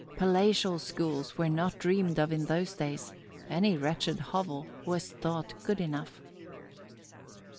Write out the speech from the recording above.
Palatial schools were not dreamed of in those days; any wretched hovel was thought good enough.